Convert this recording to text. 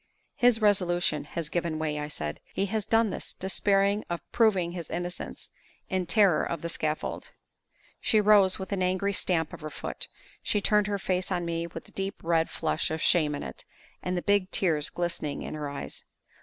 "His resolution has given way," I said. "He has done this, despairing of proving his innocence, in terror of the scaffold." She rose, with an angry stamp of her foot. She turned her face on me with the deep red flush of shame in it, and the big tears glistening in her eyes.